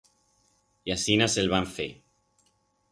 Y asinas el vam fer.